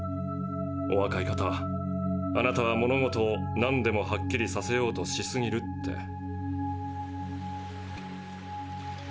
「お若い方あなたは物事をなんでもはっきりさせようとしすぎる」って。